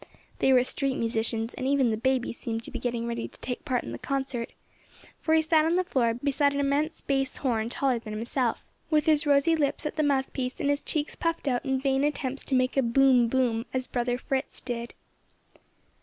They were street musicians, and even the baby seemed to be getting ready to take part in the concert, for he sat on the floor beside an immense bass horn taller than himself, with his rosy lips at the mouth piece and his cheeks puffed out in vain attempts to make a "boom! boom!" as brother Fritz did.